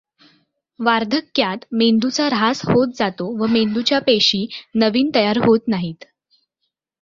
वार्धक्यात मेंदूचा ऱ्हास होत जातो व मेंदूच्या पेशी नवीन तयार होत नाहीत.